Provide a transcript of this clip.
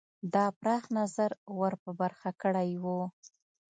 دا پراخ نظر ور په برخه کړی وو.